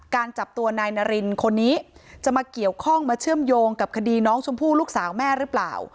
จับตัวนายนารินคนนี้จะมาเกี่ยวข้องมาเชื่อมโยงกับคดีน้องชมพู่ลูกสาวแม่หรือเปล่า